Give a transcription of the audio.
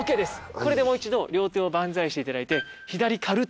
これでもう一度両手をバンザイしていただいて左軽っ！